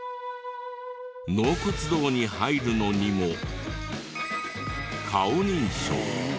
納骨堂に入るのにも顔認証。